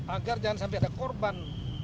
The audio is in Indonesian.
agar jangan sampai ada korban